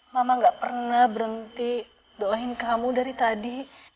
mama gak pernah berhenti doain kamu dari tadi